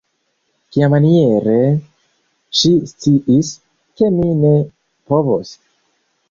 Kiamaniere ŝi sciis, ke mi ne povos?